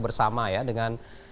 bersama ya dengan